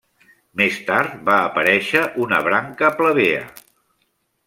Més tard va aparèixer una branca plebea.